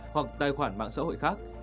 hoặc tài khoản mạng xã hội khác